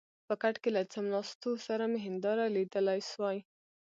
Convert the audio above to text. په کټ کې له څملاستو سره مې هنداره لیدلای شوای.